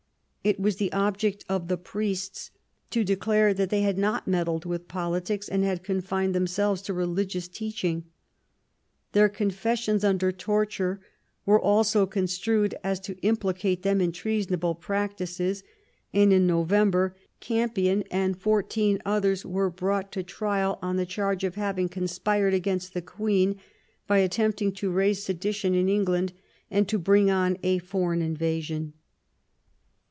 It was the object of the priests to declare that they had not meddled with politics, but had confined themselves to religious teaching. Their confessions under torture were all so construed as to implicate them in treasonable practices ; and, in November, Campion and fourteen others were brought to trial on the charge of having conspired against the Queen by attempting to raise sedition in England and to bring on a foreign in vasion.